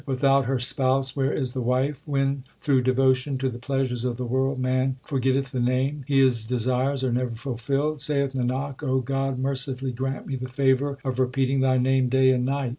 2 Without her spouse where is the wife ? 3 When through devotion to the pleasures of the world man forgetteth the Name, His desires are never fulfilled. Saith Nanak, O God, mercifully grant me the favour Of repeating Thy name day and night.